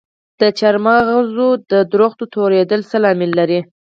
د چهارمغز د ونو توریدل څه لامل لري؟